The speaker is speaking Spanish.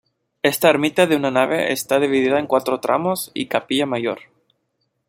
Esta ermita de una nave está dividida en cuatro tramos y capilla mayor.